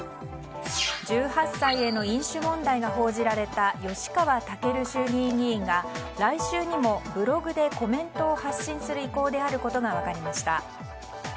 １８歳への飲酒問題が報じられた吉川赳衆議院議員が来週にもブログでコメントを発信する意向であることが分かりました。